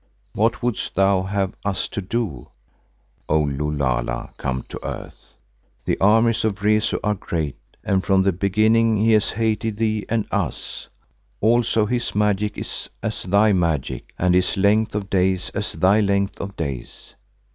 What wouldst thou have us do, O Lulala come to earth? The armies of Rezu are great and from the beginning he has hated thee and us, also his magic is as thy magic and his length of days as thy length of days.